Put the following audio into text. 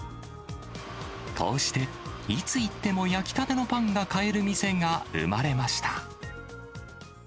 こうして、いつ行っても焼きたてのパンが買える店が生まれました。